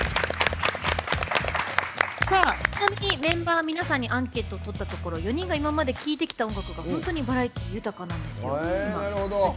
ちなみにメンバー皆さんにアンケートをとったところ４人が今まで聴いてきた音楽が本当にバラエティー豊かなんですよ。